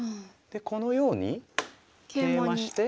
でこのようにケイマして。